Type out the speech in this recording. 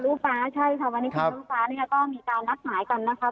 อะลูฟ้าใช่ค่ะวันนี้อิสรุปะก็ตามมัทหมายมากัน